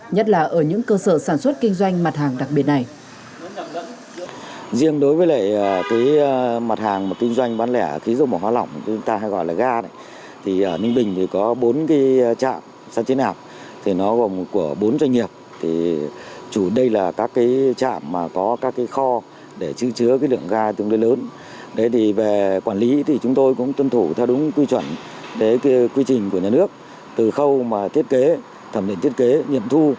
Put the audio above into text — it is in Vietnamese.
nhất là ở những cơ sở sản xuất kinh doanh mặt hàng đặc biệt này